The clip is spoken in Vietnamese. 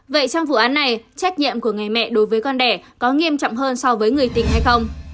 vậy trong vụ án này trách nhiệm của người mẹ đối với con đẻ có nghiêm trọng hơn so với người tình hay không